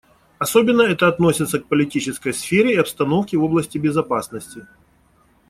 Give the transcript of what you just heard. Особенно это относится к политической сфере и обстановке в области безопасности.